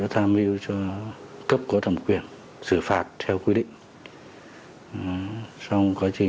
tham lưu cho cấp có thẩm quyền xử phạt theo quy định